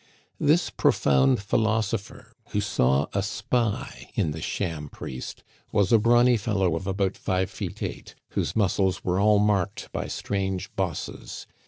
This profound philosopher, who saw a spy in the sham priest, was a brawny fellow of about five feet eight, whose muscles were all marked by strange bosses.